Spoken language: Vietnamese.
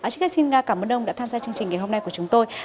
chính khách xin cảm ơn ông đã tham gia chương trình ngày hôm nay của chúng tôi